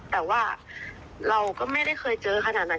แต่ว่าเราก็ไม่ได้เคยเจอขนาดนั้น